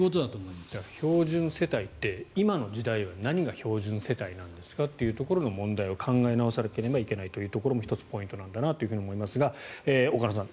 標準世帯って、今の時代は何が標準世帯なんですかという問題を考え直さなければいけないというところも１つ、ポイントだと思いますが岡野さん